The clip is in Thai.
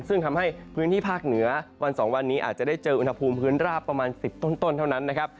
ซึ่งทำให้พื้นที่ภาคเหนือวัน๒วันนี้อาจจะได้เจออุณหภูมิพื้นราบประมาณ๑๐ต้นเท่านั้นนะครับ